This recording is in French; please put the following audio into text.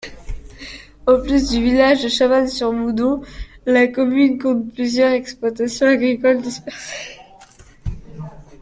En plus du village de Chavannes-sur-Moudon, la commune compte plusieurs exploitations agricoles dispersées.